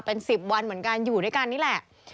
เป็น๑๐วันเหมือนกันอยู่ด้วยกันนี่แหละ